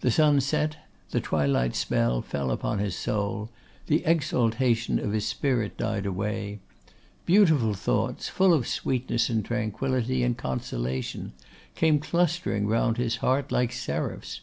The sun set; the twilight spell fell upon his soul; the exaltation of his spirit died away. Beautiful thoughts, full of sweetness and tranquillity and consolation, came clustering round his heart like seraphs.